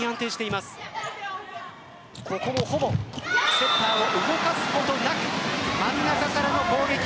セッターをほぼ動かすことなく真ん中からの攻撃。